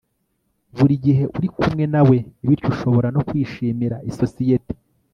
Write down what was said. buri gihe uri kumwe nawe, bityo ushobora no kwishimira isosiyete